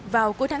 vào cuối tuần